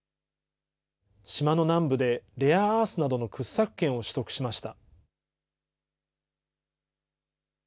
島の南部でレアアースなどの掘削権を取得しました。